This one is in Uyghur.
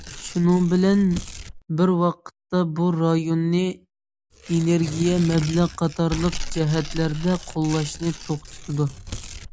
شۇنىڭ بىلەن بىر ۋاقىتتا بۇ رايوننى ئېنېرگىيە، مەبلەغ قاتارلىق جەھەتلەردە قوللاشنى توختىتىدۇ.